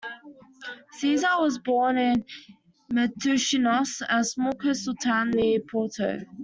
Siza was born in Matosinhos, a small coastal town near Porto.